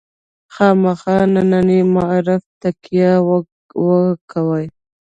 خامخا ننني معارف تکیه وکوي.